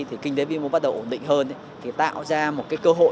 thì kinh tế vĩ mô bắt đầu ổn định hơn thì tạo ra một cái cơ hội